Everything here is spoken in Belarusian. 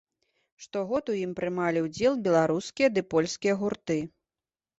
Штогод у ім прымалі ўдзел беларускія ды польскія гурты.